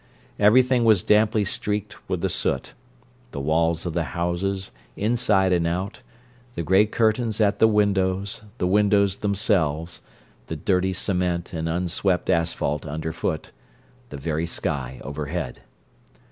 Every thing was damply streaked with the soot: the walls of the houses, inside and out, the gray curtains at the windows, the windows themselves, the dirty cement and unswept asphalt underfoot, the very sky overhead.